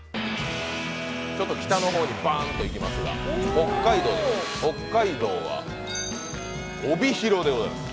ちょっと北の方にバンと行きますが、北海道は帯広でございます。